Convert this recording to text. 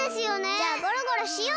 じゃあゴロゴロしよう。